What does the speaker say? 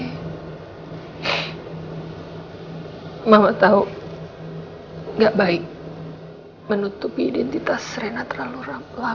tapi mama tahu gak baik menutupi identitas rena terlalu lama